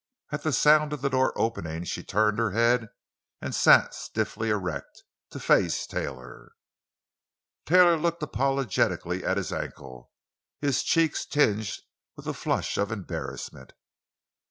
At the sound of the door opening she turned her head and sat stiffly erect, to face Taylor. Taylor looked apologetically at his ankle, his cheeks tinged with a flush of embarrassment.